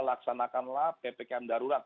laksanakanlah ppkm darurat